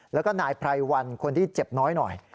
แล้วก็นายไพรวันคนที่เจ็บน้อยหน่อย